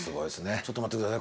ちょっと待って下さい。